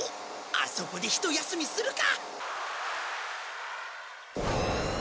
あそこでひと休みするか。